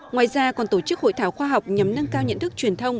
ngoài ra còn tổ chức hội thảo khoa học nhằm nâng cao nhận thức truyền thông